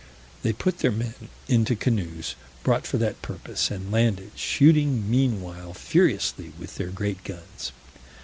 They put their men into canoes, brought for that purpose, and landed, shooting meanwhile furiously with their great guns.